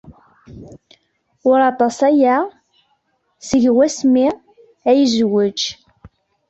Ur aṭas aya seg wasmi ay yezwej.